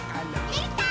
できたー！